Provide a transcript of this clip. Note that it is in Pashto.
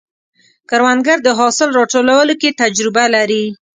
کروندګر د حاصل راټولولو کې تجربه لري